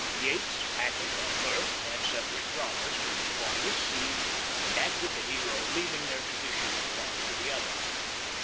Yates, Hackett, and Burke had separate dramas written upon this scene and acted the hero, leaving their traditions one to the other.